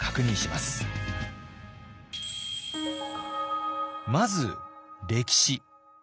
まず歴史。